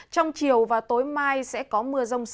trong chiều và tối mai sẽ có mưa giật mạnh